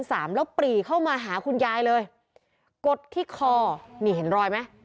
สามแล้วปรีเข้ามาหาคุณยายเลยกดที่คอนี่เห็นรอยไหม